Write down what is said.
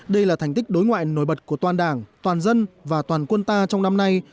đây là thành tích đối ngoại nổi bật của toàn đảng toàn dân và toàn quân ta trong năm nay